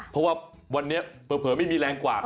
เพราะว่าวันนี้เผลอไม่มีแรงกว่า